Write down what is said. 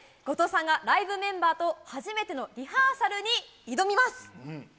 後藤さんがライブメンバーと初めてのリハーサルに挑みます。